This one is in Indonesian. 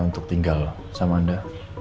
untuk tinggal sama anda